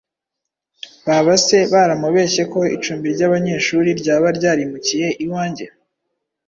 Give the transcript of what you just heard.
Baba se baramubeshye ko icumbi ry’abanyeshuri ryaba ryarimukiye iwange!